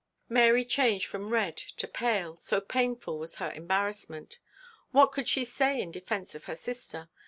Mary changed from red to pale, so painful was her embarrassment. What could she say in defence of her sister?